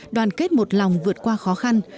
đoàn kết một lòng vượt qua khó khăn